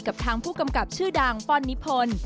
กับทางผู้กำกับชื่อดังป้อนนิพนธ์